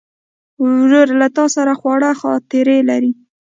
ورور له تا سره خواږه خاطرې لري.